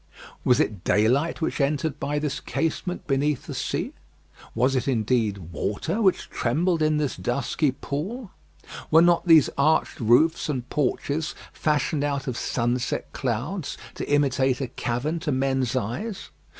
Was it daylight which entered by this casement beneath the sea? Was it indeed water which trembled in this dusky pool? Were not these arched roofs and porches fashioned out of sunset clouds to imitate a cavern to men's eyes?